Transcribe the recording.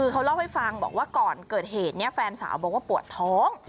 แหล่งว่าก่อนเกิดเหตุแฟนสาวบอกว่าปวดท้อง